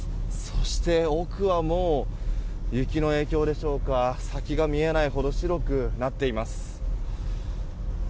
そして奥はもう雪の影響でしょうか先が見えないほど白くなっています。